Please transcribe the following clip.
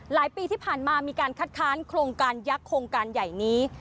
ปีที่ผ่านมามีการคัดค้านโครงการยักษ์โครงการใหญ่นี้